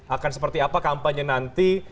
akan seperti apa kampanye nanti